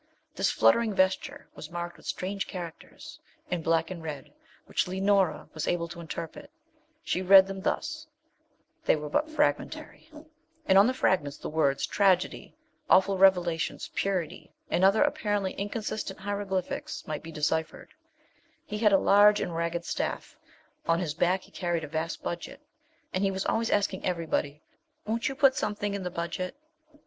This fluttering vesture was marked with strange characters, in black and red, which Leonora was able to interpret. She read them thus. They were but fragmentary. [Illustration: ++| SP" "AL |||| VORCE C"SE. |||| WAR "" "URKEY. |||| P"L ""LL ""ZETTE. |++] On the fragments the words, 'Tragedy,' 'Awful Revelations,' 'Purity,' and other apparently inconsistent hieroglyphics might be deciphered. He had a large and ragged staff; on his back he carried a vast Budget, and he was always asking everybody, 'Won't you put something in the Budget?'